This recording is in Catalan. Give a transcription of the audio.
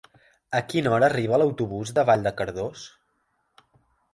A quina hora arriba l'autobús de Vall de Cardós?